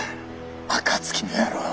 暁の野郎！